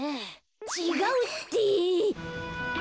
ちがうって！